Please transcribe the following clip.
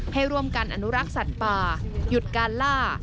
ให้ร่วมกันอนุรักษ์สัตว์ป่าหยุดการล่า